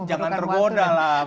jangan terbodah lah mbak